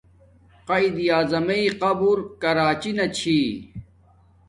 قایداعظمݵ قبر کراچی نا چھی